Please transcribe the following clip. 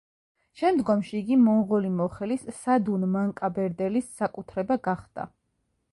შემდგომში იგი მონღოლი მოხელის სადუნ მანკაბერდელის საკუთრება გახდა.